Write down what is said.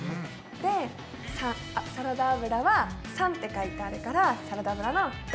でサラダ油は③って書いてあるからサラダ油の「ダ」。